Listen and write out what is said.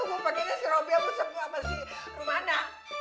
gue pakenya si robi sama si romana